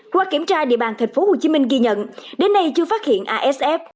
qua kiểm tra địa bàn tp hcm ghi nhận đến nay chưa phát hiện asf